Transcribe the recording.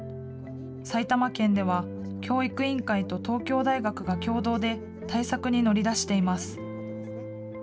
埼玉県では、教育委員会と東京大学が共同で、対策に乗り出しています。